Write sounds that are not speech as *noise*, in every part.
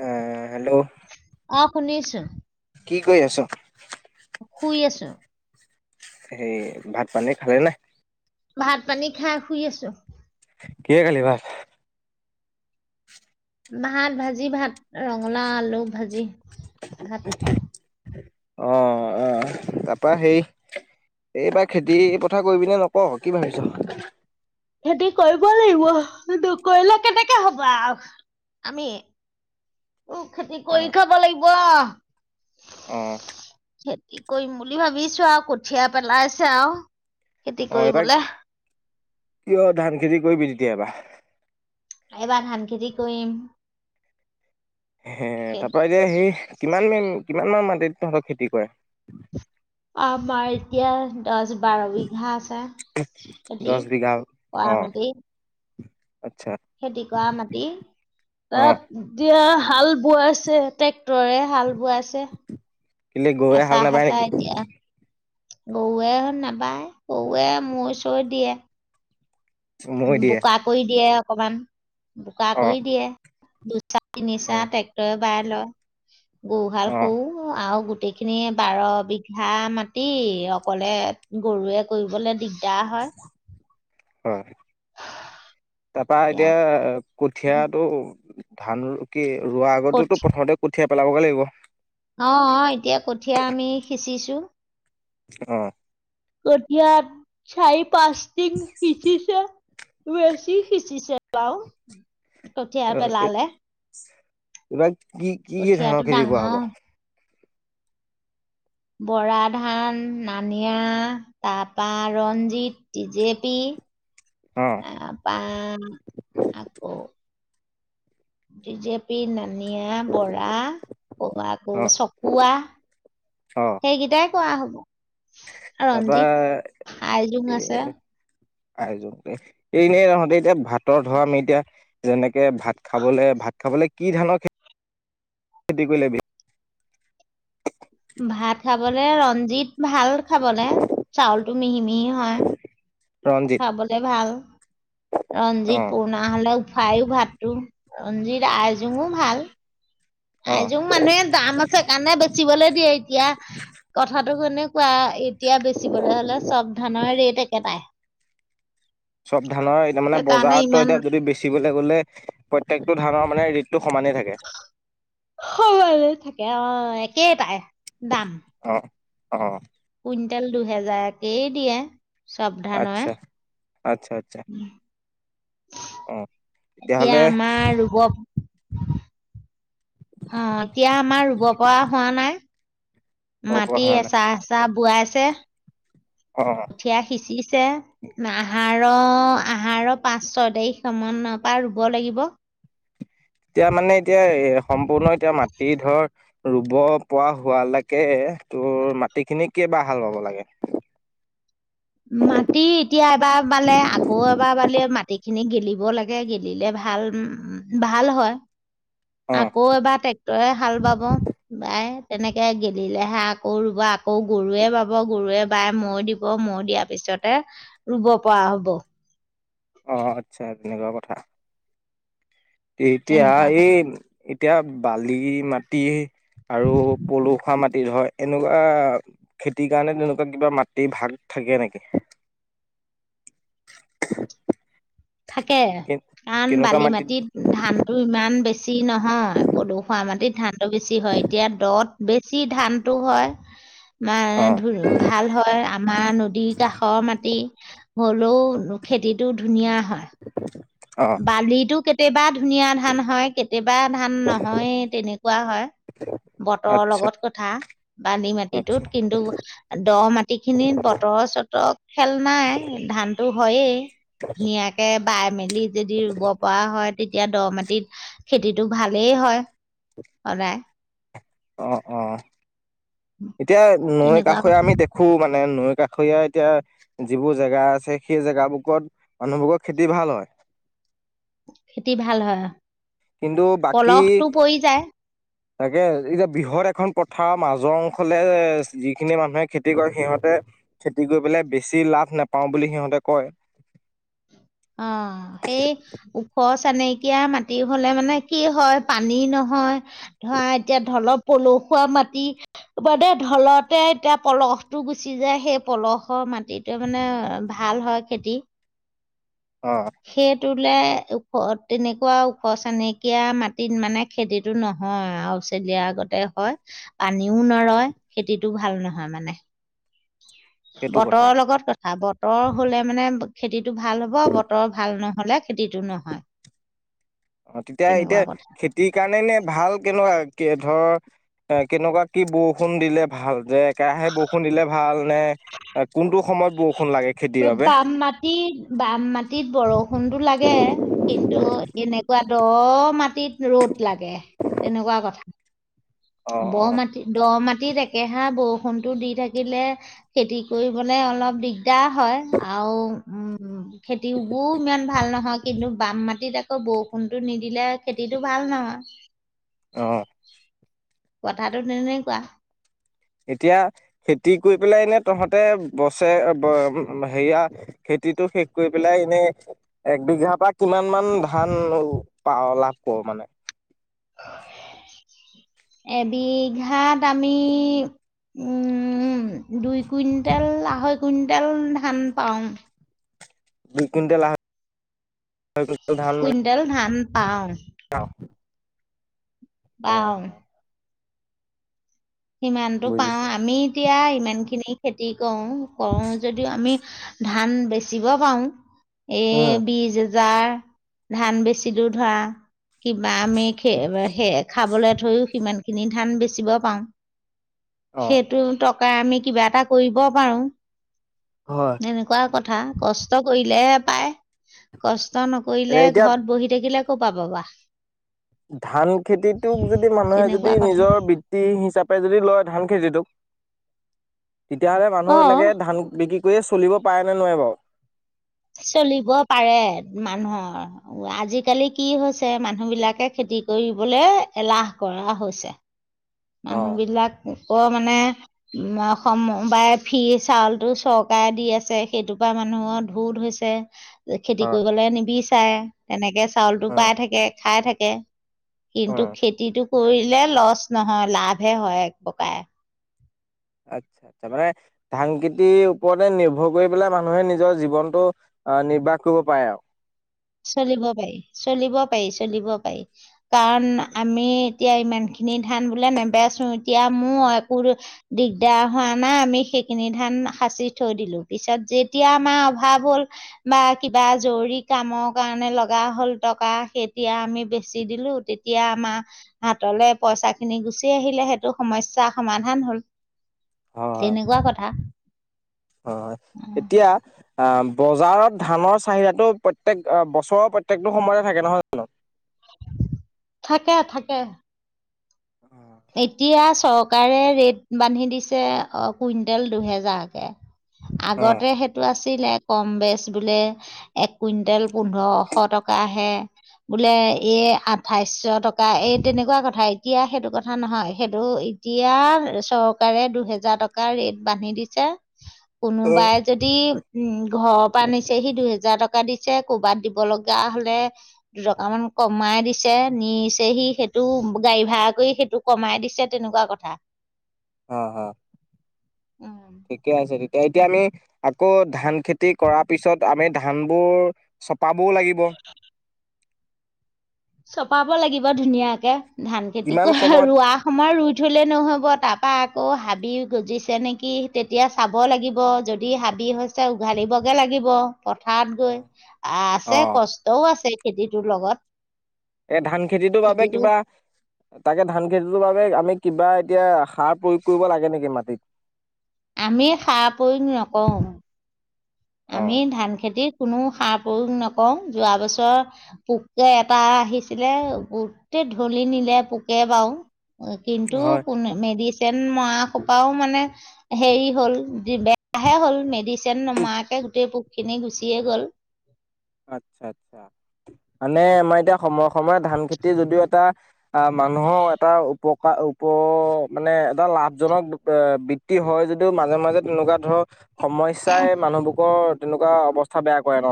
অহ hello. অ, শুনিছোঁ। কি কৰি আছ? শুই আছো সেই ভাত পানী খালে নে? ভাত পানী খাই শুই আছো। কিহে খালি ভাত? ভাত, ভাজি, ভাত। ৰঙালাও আলু ভাজি। ভাত অ অ, তাৰপা সেই এইবাৰ খেতি পথাৰ কৰিবিনে নকৰ, কি ভাবিছ? খেতি কৰিব লাগিব, নকৰিলে কেনেকে হব আউ। আমি উ খেতি অ কৰি খাব লাগিব আউ। অ খে কৰিম বুলি ভাবিছো আও কঠিয়া পেলাইছে আও। খেতি অ এইবাৰ কৰিবলে। কিয় ধান খেতি কৰিবি তেতিয়া এইবাৰ। এইবাৰ ধান খেতি কৰিম। হে খেত তাৰ পৰা এতিয়া সেই কিমান কিমান মান মাটিত তহঁতৰ খেতি কৰে? আমাৰ এতিয়া দছ বাৰ বিঘা আছে, খেতি দহ বিঘা কৰা অ মাটি। আচ্ছা খেতি কৰা মাটি, অ অপ দিয়া হাল বোৱাইছে, তেক তৰে হাল বোৱাইছে, কেলে গৰুৱে হাল এচাহ নাবায় সেচাহ নেকি এতিয়া গৰুৱে হ নাবায়, গৰুৱে মৈ চৈ দিয়ে। মৈ দিয়ে বোকা কৰি দিয়ে অকমান। বোকা অ কৰি দিয়ে। *unintelligible* অ *unintelligible* ট্ৰেক্টৰে বাই লই। গৰু হাল অ সৌ আও গোত গোটেইখিনি বাৰ বিঘা মাতি অকলে গৰুৱে কৰিবলৈ দিগ দাৰ হয়। অ'হ। তাৰপা এতিয়া কঠিয়াটো *unintelligible* ৰোৱা কঠি আগতোতো, পথাৰতে কঠীয়া পেলাবগে লাগিব। অ' অ' এতিয়া কঠীয়া আমি সিঁচিছো। অ'হ। কঠিয়াত চাইপ পাঁচ টিং সিচিছে। বেছি সিচিছে। বাৰু। কঠিয়া এইবাৰ পেলালে, কি কি কি ধানৰ কঠিয়াটো খেতি কৰা ডাঙৰ। হ'ব বৰা ধান, নানিয়া, তাপা ৰঞ্জিত, টি জে পি অ তাপা আকৌ টি জে পি মানে ধনিয়া, বৰা, আকৌ অ চকুৱা, অ সেইকেইটাই কৰোৱা হ'ব। তাৰপা ৰঞ্জিত, আইজোং আছে। আয়জোং তে এনেই তহতে এতিয়া, ভাতৰ ধৰা আমি এতিয়া, যেনেকে ভাত খাবলৈ, ভাত খাবলৈ কি ধানৰ, খেতি কৰি লবি? ভাত খাবলে ৰঞ্জিত ভাল খাবলৈ। চাউলটো মিহি মিহি হয়। ৰঞ্জিত খাবলে ভাল, অ ৰঞ্জিত পুৰণা হ'লেও। খাইও ভাতটো, ৰঞ্জিত আইজোংও ভাল। অ আইজোং মানুহে দাম আছে কাৰণে বেচিবলে দিয়ে, এতিয়া কথা টো কেনেকুৱা এতিয়া বেচিবলৈ হ'লে চব ধানৰ ৰেট একেটাই। চব ধানৰ এতিয়া মানে, সেইকাৰণে বজাৰ ত ইমান ই এতিয়া যদি বেচিবলৈ গলে প্ৰত্যেকটো ধানৰ মানে ৰেটটো সমানেই থাকে সমান থাকে অ' একেটাই। দাম অ'! অড পৰা কুইণ্টেল দুহেজাৰকেই দিয়ে। চব ধানয়ে। আচ্ছা আচ্ছা! আচ্ছা! অ তেতিয়াহ'লে এতিয়া আমাৰ ৰোগৰ অ' এতিয়া আমাৰ ৰুব পৰা হোৱা নাই। অ মাটি পঢ়া নাই এচাৰ এচাৰ পুৱাই আছে। অ অ কঠীয়া সিঁচি আহাৰ-আহাৰ পাঁচ ছয় তাৰিখ সমান পৰা ৰুব লাগিব। এতিয়া মানে এতিয়া এ সম্পূৰ্ণ এতিয়া মাটি ধৰ ৰুব পৰা হোৱালৈকে তোৰ মাটি খিনি ক বাৰ হাল বাব লাগে? মাটি এতিয়া এবাৰ বালে আকৌ এবাৰ বালে মাটিখিনি গেলিব লাগে, গেলিলে ভাল উম ভাল হয়। অ', আকৌ এবাৰ তে টেকতহে হাল বাব বাই। তেনেকে গেলিলেহে আকৌ ৰুব আকৌ গৰুৱে বাব গৰুৱে বাই মৈ দিব মৈ দিয়াৰ পিছতে ৰুব পৰা হব। অ আচ্ছা তেনেকুৱা কথা। এতিয়া তেনেকুৱা এই এতিয়া বালি মাতি আৰু পলসুৱা মাট খেতি হয় এনেকুৱা খেতিৰ কাৰণে তেনেকুৱা কিবা মাটিৰ ভাগ থাকে নেকি? থাকে। কাৰণ বালি মাটিত ধানটো ইমান বেছি নহয়, পদুসুৱা মাটিত ধানটো বেছি হয়। এতিয়া দত বেছি ধানটো হয়। মা অ', ধ ভাল হয়, আমাৰ নদীৰ কাষৰ মাটি হ'লেও খেতিটো ধুনীয়া হয়। *inaudible* বালিটো কে তে বাদ ধুনীয়া ধান হয়, কেতিয়াবা ধান নহয়ে, তেনেকুৱা হয়। বতৰৰ আচ্ছা, লগত কথা বালি মাটিটোত আচ্ছা, কিন্তু দ মাটি খিনিত বতৰ চতৰ খেল নাই ধানতো হয়েই ধুনীয়াকে বাই মেলি যদি ৰুব পৰা হয়। তেতিয়া দ মাটিত খেতিটো ভালেই হয়। সদায়। অ-অ এতিয়া নৈৰ তেনেকুৱা কাষৰে কথা আমি দেখো মানে নৈ কাষৰীয়া এতিয়া যিবোৰ জেগা আছে সেই জেগাবোৰত মানুহবোৰৰ খেতি ভাল হয়। খেতি ভাল হয়। কিন্তু বাকী পলসটো পৰি যায়। তাকে, এতিয়া বৃহৎ এখন পথাৰৰ মাজৰ অংশলে যিখিনি মানুহে খেতি কৰে সিহঁতে খেতি কৰি পেলাই বেছি লাভ নাপাও বুলি সিহঁতে কয়। আহ সেই ওখ চানেকীয়া মাটি হলে মানে কি হয় পানী নহয়, ধৰা এতিয়া ঢলৰ পলসুৱা মাটি ঢলতে এতিয়া পলসটো গুচি যায় সেই পলসৰ মাটিটো মানে ভাল হয় খেতি। অ তোলে ওখ তেনেকুৱা ওখ চনেকীয়া মাটিত মানে খেতিটো নহয় আৰু চেলিয়াৰ আগতে হয়, পানীও নৰয় খেতিটো ভাল নহয় মানে। সেইটো কথা বতৰৰ লগত কথা বতৰ ৰ হ'লে মানে খেতিত টো ভাল হ'ব বতৰ ভাল নহয়। হ'লে খেতিটো নহয় অ তেতিয়া তেনেকুৱা এতিয়া কথা খেতিৰ কাৰণে নে ভাল কেনেকুৱা কি ধৰ এ কেনেকুৱা কি বৰষুণ দিলে ভাল যে? একেৰাহে বৰষুণ দিলে ভাল। নে কোনটো সময়ত ব বাম মাটিত বাম মাটিত বৰষুণতটো লাগে কিন্তু এনেকুৱ দ মাটিত ৰ'দ লাগে তেনেকুৱা কথা। অ বহ অ মাটি দহ মাটি খেতিত একেহা বৰষুণতো দি থাকিলে খেতি কৰিবলৈ অলপ দিগদ দা হয় আৰু উম খেতিবোৰ ইমান ভাল নহয় কিন্তু বাম মাটিত আকৌ বৰষুণতটো নিদিলে খেতিটো ভাল নহয়। অহ কথাটো তেনে কোৱা, এতিয়া খেতি কৰি পেলাই এনে তহঁতে বছেৰে হেয়া খেতিটো শেষ কৰি পেলাই এনে এক বিঘাৰ পৰা কিমান মান ধান পাৱ লাভ কৰো মানে, এবিঘাত আমি উম দুই কুইণ্টেল আঢ়ৈ কুইণ্টেল ধান পাওঁ, দুই কুইণ্টেল আহা কুইণ্টেল ধান পাওঁ আহ আহ সিমানতটো পাও বুজিছো আমি এতিয়া ইমান খিনি খেতি কৰো কৰো যদিও আমি ধান বেচিব পাৰো এ উম বীজ জাৰ ধান বেছি দূৰ ধৰা বা আমি খে সেই খাবলৈ থৈও সিমান খিনি ধান বেচিব পাওঁ অ সেইটো অ টকা আমি কিবা এটা কৰিব পাৰো হয় এনেকুৱা কথা কথা কষ্ট কৰিলেহে পায় কষ্ট তাকে নকৰিলে এতিয়া ঘৰত বহি থাকিলে কৌপা পাবা। ধান খেতিতোক যদি মানুহে তেনেকুৱা যদি কথা নিজৰ বৃত্তি হিচাপে তাপ যদি লয় ধান খেতিটোক তেতিয়াহ'লে মানুহ অঁ এনেকে ধান বিক্ৰী কৈয়ে চলিব পাৰে নে নোৱাই নে বাৰু চলিব পাৰে মানুহৰ আজিকালি কি হৈছে মানুহ বিলাকে খেতি কৰিবলৈ এলাহ কৰা হৈছে অ মানুহ বিলাক আকৌ মানে উ সমবাৰে ফি চাউলটো চৰকাৰে দি আছে সেইটোৰ পৰা মানুহৰ ধো ধ হৈছে খেতি হয় কৰিবলৈ নিবিচ চাই তেনেকে চ চাউলটো উম পাই থাকে খাই থাকে এ উম কিন্তু খেতিটো কৰিলে লছ নহয় লাভে হয় এক প্ৰকাৰ আচ্ছা আচ্ছা মানে ধান খেতিৰ ওপৰতে নিৰ্ভৰ কৰি পেলাই মানুহে নিজৰ জীৱনটো আহ নিৰ্বাহ কৰিব পাৰে আৰু চলিব পাৰি চলিব পাৰি চলিব পাৰি কাৰণ আমি এতিয়া ইমান খিনি ধান বোলে নেবেচো, এতিয়া মোৰ একো দিগদাৰ হোৱা নাই, আমি সেইখিনি ধান সাঁচি থৈ দিলো পিছত যেতিয়া আমাৰ অভাৱ হ'ল বা কিবা জৰুৰী কামক কাৰণে লগা হল টকা তেতিয়া আমি বেচি দিলো, তেতিয়া আমাৰ হাতলে পইচা- খিনি গুচি আহিলে সেইটো সমস্যা সমাধান হ'ল। হয় -হয় তেনেকুৱা কথা। -হয় এতিয়া, অ, বজাৰত ধানৰ চাহিদাটো প্ৰত্যয়েক বছৰৰ প্ৰত্যেকটো সময়তে থাকে নহয় জানো? থাকে - থাকে *unintelligible* এতিয়া চৰকাৰে ৰেট- বান্ধি দিছে কুইণ্টেল দুহেজাৰকে। অ আগতে সেইটো আছে, ছিলে কম-বেচ বোলে এক কুইণ্টেল- পোন্ধৰশ টকা আহে, বোলে এ', আঠইশ্য টকা এই তেনেকুৱা কথা এতিয়া সেইটো কথা। কথা-নহয় সেইটো এতিয়া চৰকাৰে দুহেজাৰ টকাৰ ৰেট বান্ধি দিছে, অ কোনোবাই যদি, উম', ঘৰৰ পৰা নিছেহি দুহেজাৰ টকা দিছে, কৰ'বাত দিব লগা হলে দুটকামান কমাই দিছে, নিচেহি সেইটো গাড়ী ভাড়া কৰি সেইটোক কমাই দিছে তেনেকোৱা কথা, আঁ ', হা', উম ঠিকে আছে। এতিয়া আমি আকৌ ধান- খেতি কৰাৰ পিছত আমি ধান বোৰ চপা, বৰ লাগিব, চপাব লাগিব ধুনীয়াকে, ধান খেতি কিমান কৰ সময়ত ৰোৱা সময় ৰুই থলে নহ'ব, তাৰপা আকৌ হাবি গজিছে নেকি, তেতিয়া চাব লাগিব যদি হাবি হৈছে উঘালি বগে লাগিব। পথাৰত গৈ অ আছে কষ্টও আছে, খেতিটোৰ লগত। এই ধান খেতিটোৰ বাবে খেতিটো কিবা তাকে ধান খেতিটোৰ বাবে আমি কিবা এতিয়া সাৰ প্ৰয়োগ কৰিব লাগে নেকি মাটিত? আমি সাৰ প্ৰয়োগ নকওঁ। অ আমি ধান খেতিত কোনো সাৰ প্ৰয়োগ নকৰো যোৱা বছৰ পোকে এটা আহিছিলে গোটেই ঢলি নিলে পোকে বাৰু। কিন্তু হয় কোন মেড মৰা সোপাও মানে হ হল বে হে হল মেড তেন্নো মাকঘ গোটেই পোকখিনি গুচিয়ে গ'ল। আচ্ছা-আচ্ছা মানে আমাৰ এতিয়া সময়ে-সময়ে ধান খেতি যদিও এটা আহ মানুহৰ এটা উপকাৰ উপ মানে এটা লাভজনক এ বৃত্তি হয় যদিও মাজে-মাজে তেনেকুৱা ধৰক সমস্যাই মানুহবোৰৰ তেনেকুৱা অৱস্থা বেয়া কৰে ন?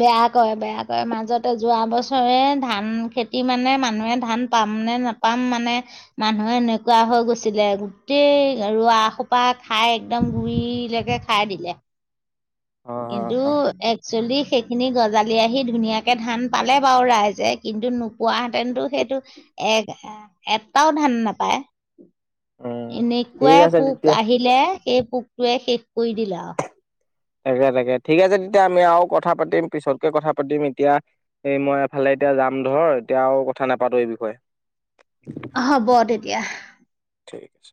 বেয়া কৰে-বেয়া কৰে। মাজতে যোৱা বছৰে ধান খেতি মানে মানুহে ধান পাম নে নাপাম মানে মানুহে এনেকুৱা হৈ গৈছিলে গোটেই ৰোৱা সোপা খাই একদম গুৰিলৈকে খাই দিলে। হয় হয় কিন্তু হয় একচুৱেলি সেইখিনি গজালি আহি ধুনীয়াকে ধান পালে বাৰু ৰাইজে। কিন্তু নোপোৱাহেঁতেনো সেইটো এক এটাও ধান নাপায়। উম ঠিক এনেকুৱাই আছে পোক তেতিয়া। আহিলে সেই পোকটোৱে শেষ কৰি দিলা আউ। তাকে-তাকে ঠিক আছে তেতিয়া আমি আৰু কথা পাতিম পিছতকে কথা পাতিম এতিয়া এই মই এফালে এতিয়া যাম ধৰ এতিয়া আৰু কথা নাপাতো এই বিষয়ে। হ'ব তেতিয়া। ঠিক আছে।